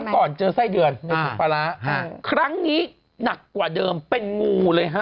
ครั้งนี้หนักกว่าเดิมเป็นโง่เลยครับ